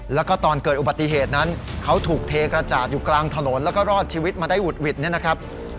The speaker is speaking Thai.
แล้วก็ตอนเกิดอุบัติเหตุนั้นเขาถูกเทกระจาดอยู่กลางถนนแล้วก็รอดชีวิตมาได้หุดหวิดเนี่ยนะครับ